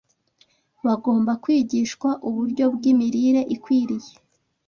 bagomba kwigishwa uburyo bw’imirire ikwiriye